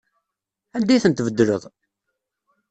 Anda ay ten-tbeddleḍ?